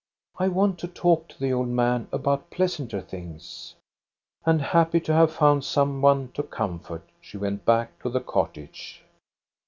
I want to talk to the old man about pleasanter things." And happy to have found some one to comfort, she went back to the cottage.